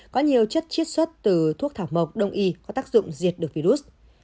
có nhiều chất chiết xuất từ thuốc thảo mộc đông y có tác dụng diệt được virus